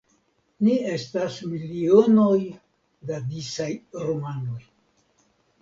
Ni estas milionoj da disaj rumanoj.